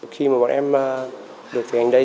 khi mà bọn em được thực hành đây